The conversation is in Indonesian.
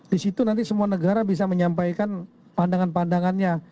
di situ nanti semua negara bisa menyampaikan pandangan pandangannya